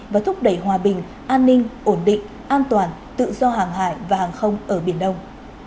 và thúc đẩy hòa bình an ninh ổn định an toàn tự do hàng hải và hàng không ở biển đông